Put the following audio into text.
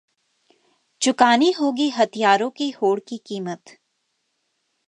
चुकानी होगी हथियारों की होड़ की कीमत